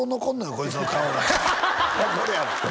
こいつの顔が分かるやろ？